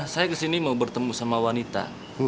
saya ke sini mau bertemu sama wanita